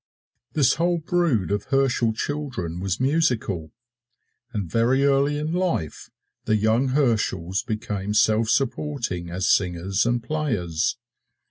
This whole brood of Herschel children was musical, and very early in life the young Herschels became self supporting as singers and players.